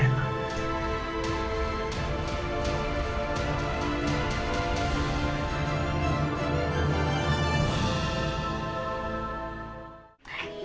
dan juga papanya ren